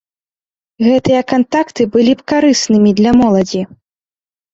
Гэтыя кантакты былі б карыснымі для моладзі.